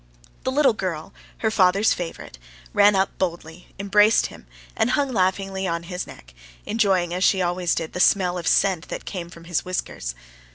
The little girl, her father's favorite, ran up boldly, embraced him, and hung laughingly on his neck, enjoying as she always did the smell of scent that came from his whiskers.